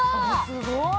◆すごい！